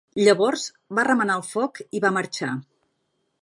Llavors va remenar el foc i va marxar.